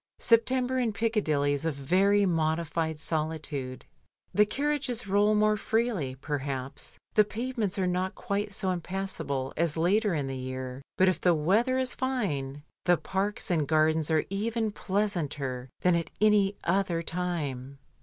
September in Piccadilly is a very modified soli tude. The carriages roll more freely, perhaps, the pavements are not quite so impassable as later in the year, but if the weather is fine, the parks and gardens are even pleasanter than at any other time.